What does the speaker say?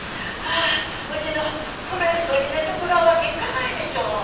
うちの古い布団に寝てもらうわけにいかないでしょ。